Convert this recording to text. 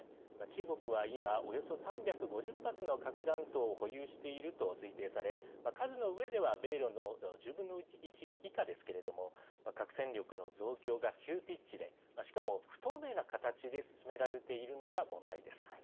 中国は今およそ３５０発の核弾頭を保有していると推定され数のうえでは米ロの１０分の１以下ですけれども核戦力の増強が急ピッチでしかも不透明な形で進められているのが問題です。